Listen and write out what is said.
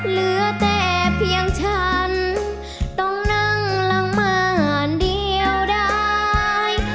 เหลือแต่เพียงฉันต้องนั่งหลังบ้านเดียวได้